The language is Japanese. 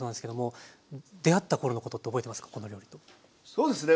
そうですね。